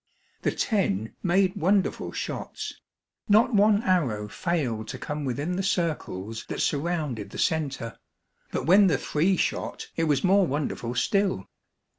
The ten made wonderful shots. Not one arrow failed to come within the circles that surrounded the center. But when the three shot, it was more wonderful still.